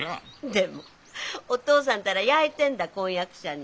でもお父さんったらやいてんだ婚約者に。